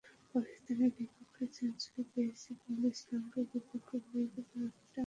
পাকিস্তানের বিপক্ষে সেঞ্চুরি পেয়েছি বলে শ্রীলঙ্কার বিপক্ষেও পেয়ে যাব, ব্যাপারটা এমন নয়।